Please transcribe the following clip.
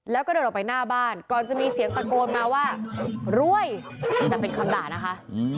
แล้วก็เดินออกไปหน้าบ้านก่อนจะมีเสียงตะโกนมาว่ารวยแต่เป็นคำด่านะคะ